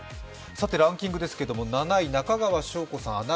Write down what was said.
さてランキングですけれど７位、中川翔子さん